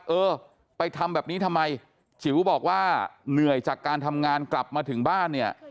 เออไปทำแบบนี้ทำไมจิ๋วบอกว่าเหนื่อยจากการทำงานกลับมาถึงบ้านเนี่ย